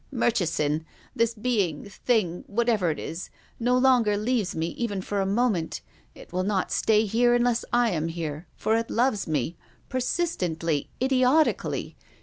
" Murchison, this being, thing — whatever it is — no longer leaves me even for a n.oment. It will not stay here unless I am here, for it loves me, persistently, idiotically.